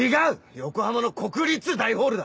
横浜の国立大ホールだ！